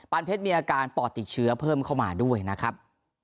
เพชรมีอาการปอดติดเชื้อเพิ่มเข้ามาด้วยนะครับ